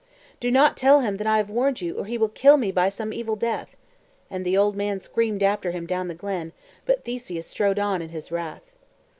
"Do not tell him that I have warned you, or he will kill me by some evil death;" and the old man screamed after him down the glen; but Theseus strode on in his wrath.